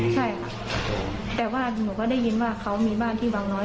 ใช่ค่ะแต่ว่าหนูก็ได้ยินว่าเขามีบ้านที่วังน้อย